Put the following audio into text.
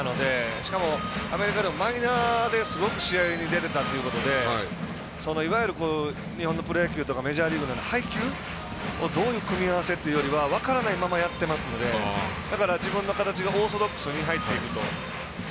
しかも、アメリカでもマイナーですごく試合に出ていたということでいわゆる日本のプロ野球メジャーリーグと、配球をどういう組み合わせというよりは分からないままやってますのでだから、自分の形がオーソドックスで入ってるので。